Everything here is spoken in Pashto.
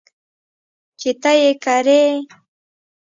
چې ته یې کرې .